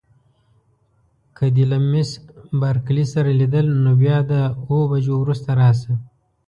که دې له میس بارکلي سره لیدل نو بیا د اوو بجو وروسته راشه.